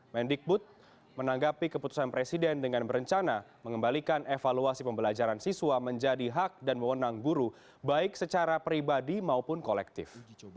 mendikbud menanggapi keputusan presiden dengan berencana mengembalikan evaluasi pembelajaran siswa menjadi hak dan mewenang guru baik secara pribadi maupun kolektif